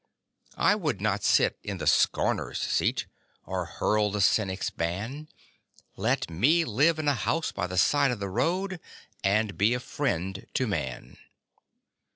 I would not sit in the scorner's seat, Or hurl the cynic's ban; Let me live in a house by the side of the road And be a friend to man.